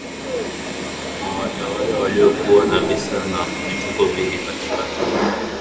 mwa watawala waliokuwa na visa na vituko vingi katika